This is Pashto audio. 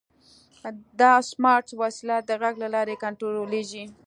دا سمارټ وسیله د غږ له لارې کنټرولېږي.